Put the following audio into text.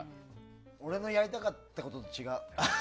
俺のやりたかったことと違う。